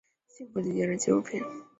幸福的敌人的纪录片。